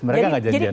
mereka gak janjian